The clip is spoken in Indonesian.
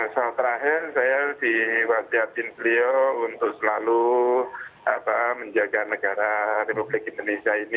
soal terakhir saya diwajiatin beliau untuk selalu menjaga negara republik indonesia ini